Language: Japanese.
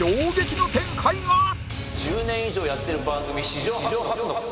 １０年以上やってる番組史上初。